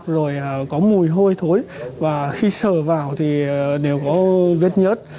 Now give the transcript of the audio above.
rồi có mùi hôi thối và khi sờ vào thì đều có vết nhớt